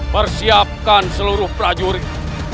persiapkan seluruh prajurit